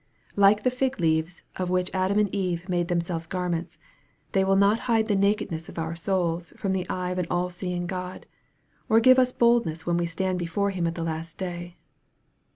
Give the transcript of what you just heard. Like the fig leaves of which Adam and Eve made themselves garments, they will not hide the nakedness of our souls from the eye of an all seeing G od, or give us boldness when we stand before Him at the last day.